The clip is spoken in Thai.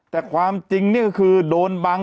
แต่ความจริงนี่ก็คือโดนบัง